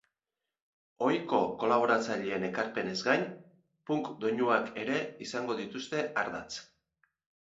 Ohiko kolaboratzaileen ekarpenez gain, punk doinuak ere izango dituzte ardatz.